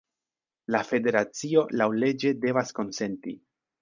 La Federacio laŭleĝe devas konsenti.